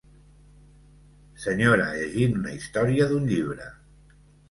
Senyora llegint una història d'un llibre.